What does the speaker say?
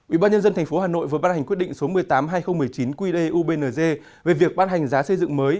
ubnd tp hà nội vừa bán hành quyết định số một mươi tám hai nghìn một mươi chín quy đề ubng về việc bán hành giá xây dựng mới